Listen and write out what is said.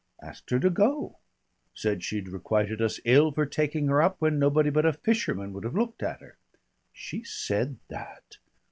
"Asked her to go. Said she'd requited us ill for taking her up when nobody but a fisherman would have looked at her." "She said that?"